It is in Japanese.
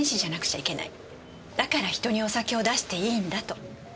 だから人にお酒を出していいんだと。